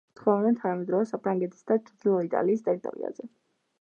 ცხოვრობდნენ თანამედროვე საფრანგეთის და ჩრდილო იტალიის ტერიტორიაზე.